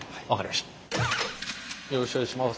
よろしくお願いします。